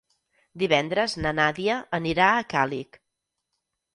Divendres na Nàdia anirà a Càlig.